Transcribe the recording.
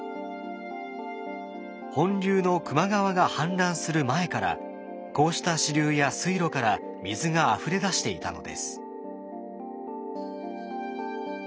本流の球磨川が氾濫する前からこうした支流や水路から水があふれ出していたのです。